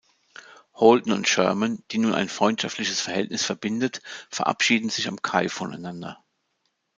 Holden und Sherman, die nun ein freundschaftliches Verhältnis verbindet, verabschieden sich am Kai voneinander.